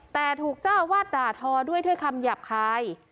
แต่ถูกเจ้าวาดด่าทอด้วยเพื่อคำหยาบคาย